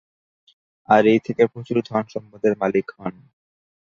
আর এই থেকেই প্রচুর ধন-সম্পদের মালিক হন।